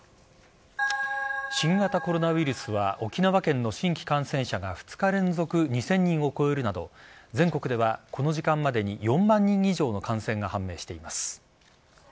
新型コロナウイルスは沖縄県の新規感染者が２日連続、２０００人を超えるなど全国ではこの時間までに４万人以上の感染が判明しています。